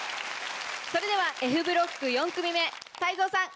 それではＦブロック４組目泰造さん